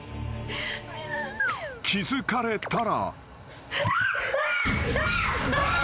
［気付かれたら］